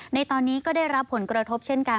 ในตอนนี้ก็ได้รับผลกระทบเช่นกัน